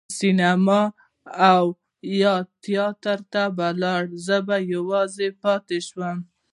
سینما او یا تیاتر ته به لاړل او زه به یوازې پاتې شوم.